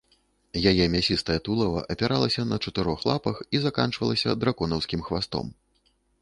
Яе мясістае тулава апіралася на чатырох лапах і заканчвалася драконаўскім хвастом.